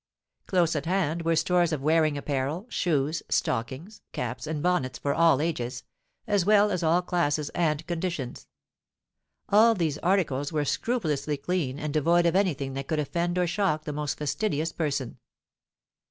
Close at hand were stores of wearing apparel, shoes, stockings, caps, and bonnets, for all ages, as well as all classes and conditions. All these articles were scrupulously clean and devoid of anything that could offend or shock the most fastidious person.